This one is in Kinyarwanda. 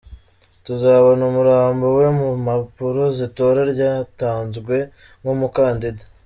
Tuzabona umurambo we mu mpapuro z’itora yatanzwe nk’umukandida.